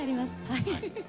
はい。